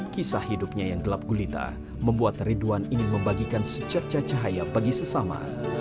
kisah hidupnya yang gelap gulita membuat ridwan ingin membagikan secerca cahaya bagi sesama